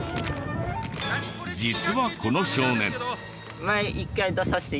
実はこの少年。